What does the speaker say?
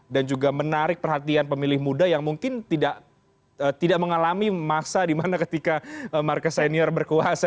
dan juga menarik perhatian pemilih muda yang mungkin tidak mengalami masa di mana ketika marcos senior berkuasa